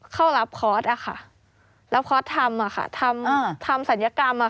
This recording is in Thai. เข้ารับคอร์สอะค่ะรับคอร์สทำอะค่ะทำศัลยกรรมอะค่ะ